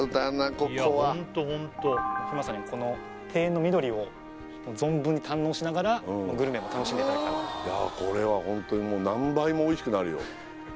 ここはまさにこの庭園の緑を存分に堪能しながらグルメも楽しめたらいいかないやこれはホントに何倍もおいしくなるよ